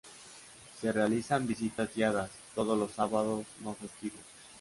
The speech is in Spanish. Se realizan visitas guiadas todos los sábados no festivos.